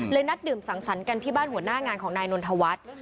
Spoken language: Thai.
นัดดื่มสังสรรค์กันที่บ้านหัวหน้างานของนายนนทวัฒน์